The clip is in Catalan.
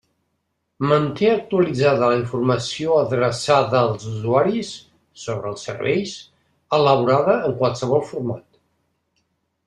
Manté actualitzada la informació adreçada als usuaris sobre els serveis elaborada en qualsevol format.